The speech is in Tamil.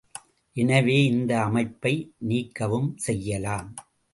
எனவே, இந்த அமைப்பை நீக்கவும் செய்யலாம்.